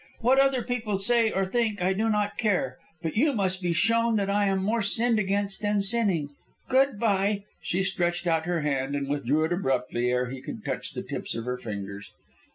What other people say or think, I do not care, but you must be shown that I am more sinned against than sinning. Good bye!" She stretched out her hand, and withdrew it abruptly ere he could touch the tips of her fingers.